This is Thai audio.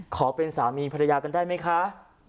ขอเป็นสามีภรรยากันได้ไหมคะ